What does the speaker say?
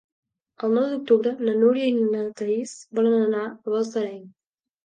El nou d'octubre na Núria i na Thaís volen anar a Balsareny.